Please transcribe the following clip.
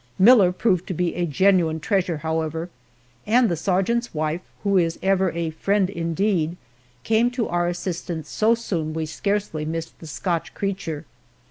Miller proved to be a genuine treasure, however, and the sergeant's wife who is ever "a friend indeed" came to our assistance so soon we scarcely missed the Scotch creature.